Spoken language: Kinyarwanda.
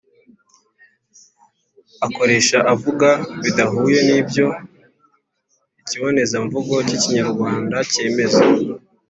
akoresha avuga bidahuye n’ibyo ikibonezamvugo k’Ikinyarwanda kemeza.